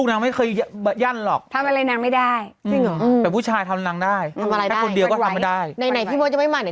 นางก็อย่างนี้แหละแม่